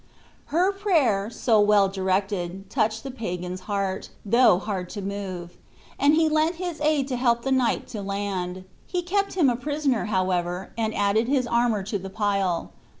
Her prayer, so well directed, touched the pagan's heart, though hard to move, and he lent his aid to help the knight to land. He kept him a prisoner, however, and added his armor to the pile.